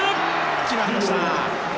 決まりました。